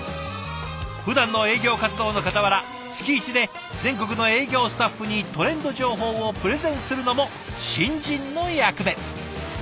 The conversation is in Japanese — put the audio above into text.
ふだんの営業活動のかたわら月１で全国の営業スタッフにトレンド情報をプレゼンするのも新人の役目。